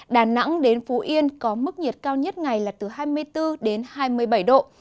đà nẵng đến phú yên có mức nhiệt cao nhất ngày là từ hai mươi bốn đến hai mươi bảy độ